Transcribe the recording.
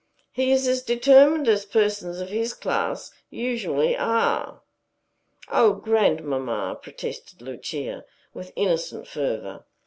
He is as determined as persons of his class usually are." "O grandmamma!" protested Lucia, with innocent fervor.